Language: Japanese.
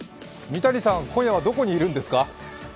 三谷さん、今夜はどこにいるんですか。